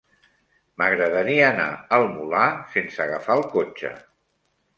M'agradaria anar al Molar sense agafar el cotxe.